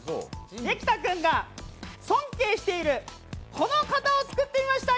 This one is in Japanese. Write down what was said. できたくんが尊敬しているこの方を作ってみました。